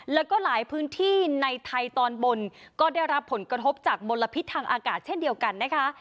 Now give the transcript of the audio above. แล้วก็หลายพื้นที่ในไทยตอนบนก็ได้รับผลกระทบจากมลพิษทางอากาศเช่นเดียวกันนะคะ